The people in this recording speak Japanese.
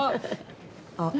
あっ。